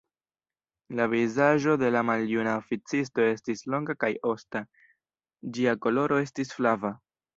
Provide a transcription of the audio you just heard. La vizaĝo de la maljuna oficisto estis longa kaj osta, ĝia koloro estis flava.